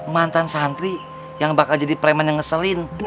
mantan santri yang bakal jadi preman yang ngeselin